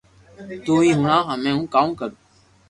تو ھي ھوڻاو ھمي ھون ڪاوُ ڪرو